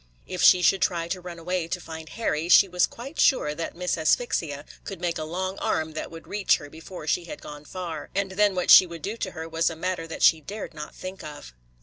If she should try to run away to find Harry, she was quite sure that Miss Asphyxia could make a long arm that would reach her before she had gone far; and then what she would do to her was a matter that she dared not think of.